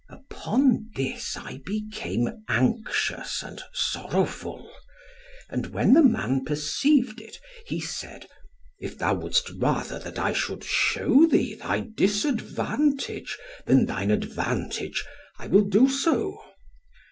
Upon this I became anxious and sorrowful; and when the man perceived it, he said, 'If thou wouldst rather that I should shew thee thy disadvantage, than thine advantage, I will do so.